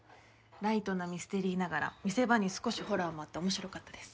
ライトなミステリーながら見せ場に少しホラーもあって面白かったです。